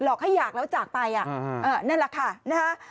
อกให้อยากแล้วจากไปนั่นแหละค่ะนะฮะ